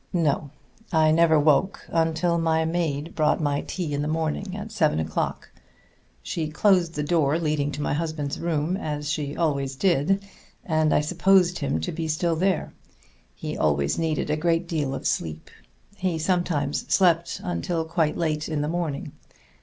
"No; I never woke until my maid brought my tea in the morning at seven o'clock. She closed the door leading to my husband's room, as she always did, and I supposed him to be still there. He always needed a great deal of sleep. He sometimes slept until quite late in the morning.